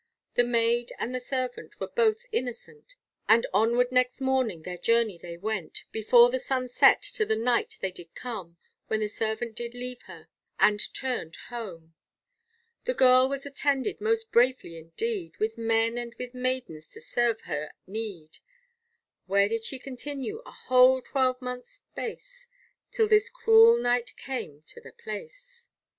The maid and the servant were both innocent, And onward next morning their journey they went, Before the sun set, to the Knight they did come, When the servant did leave her, and turned home, The girl was attended most bravely indeed, With men and with maidens to serve her at need, Where she did continue a whole twelve month's space, Till this cruel Knight came to the place.